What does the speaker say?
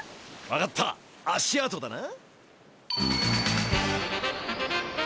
分かった足あとだな。